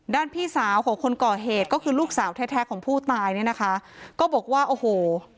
พี่สาวของคนก่อเหตุก็คือลูกสาวแท้แท้ของผู้ตายเนี่ยนะคะก็บอกว่าโอ้โห